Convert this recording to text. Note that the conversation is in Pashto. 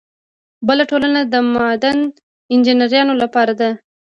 بله ټولنه د معدن انجینرانو لپاره ده.